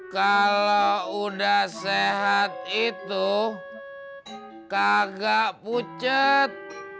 kalau udah sehat itu kagak pucat